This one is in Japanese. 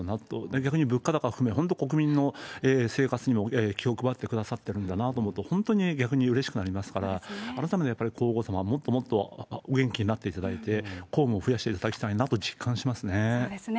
逆に、物価高、本当に国民の生活にも気を配ってくださるんだなと思うと、本当に逆にうれしくなりますから、改めて皇后さまはもっともっとお元気になっていただいて、公務を増やしていただきたいなと実感しますね。